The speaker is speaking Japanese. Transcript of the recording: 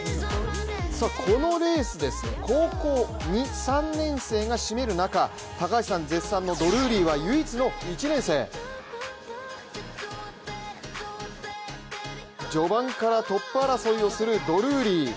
このレース、高校２、３年生がしめる中高橋さん絶賛のドルーリーは唯一の１年生、序盤からトップ争いをするドルーリー。